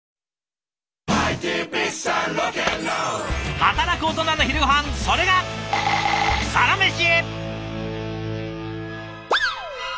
働くオトナの昼ごはんそれが「サラメシ」。